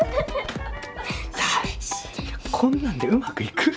こんなんでうまくいく？